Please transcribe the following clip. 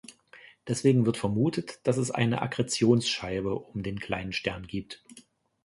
Deswegen wird vermutet, dass es eine Akkretionsscheibe um den kleineren Stern gibt.